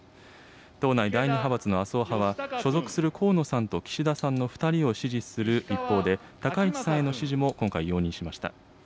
党内第２派閥の麻生派は、所属する河野さんと岸田さんの２人を支持する一方で、高市さんへの支持も今回容認しました。